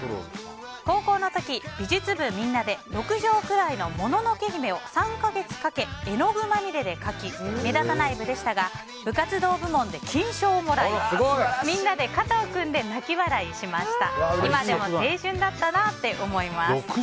高校の時、美術部みんなで６畳くらいの「もののけ姫」を３か月かけ絵具まみれで描き目立たない部でしたが部活動部門で金賞をもらいみんなで肩を組んで泣き笑いしました。